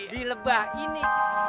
di lebah ini